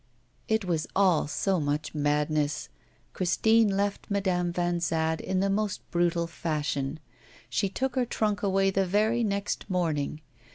It was all so much madness. Christine left Madame Vanzade in the most brutal fashion. She took her trunk away the very next morning.